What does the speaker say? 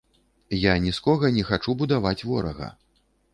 Я ні з кога не хачу будаваць ворага.